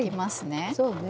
そうね。